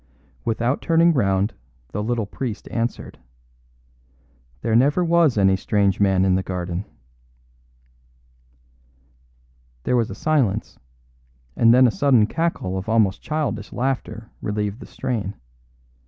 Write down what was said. Without turning round, the little priest answered: "There never was any strange man in the garden." There was a silence, and then a sudden cackle of almost childish laughter relieved the strain.